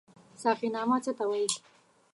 ساقينامه څه ته وايي؟